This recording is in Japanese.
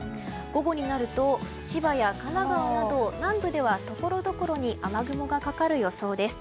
午後になると千葉や神奈川など南部では、ところどころに雨雲がかかる予想です。